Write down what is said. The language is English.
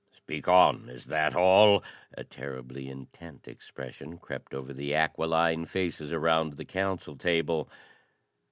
"Speak on: is that all?" A terribly intent expression crept over the aquiline faces around the council table.